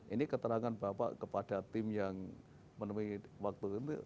ini keterangan bapak kepada tim yang menemui waktu itu